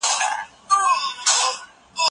شاه سلطان حسین یو کمزوری پاچا و.